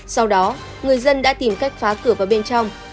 sau đó người dân đã tìm cách phá cửa vào bên trong